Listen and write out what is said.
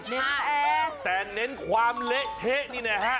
แต่เน้นความเละเทะนี่นะฮะ